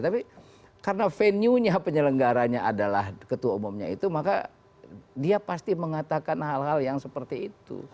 tapi karena venue nya penyelenggaranya adalah ketua umumnya itu maka dia pasti mengatakan hal hal yang seperti itu